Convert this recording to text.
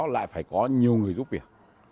lại phải có nhiều người giúp việc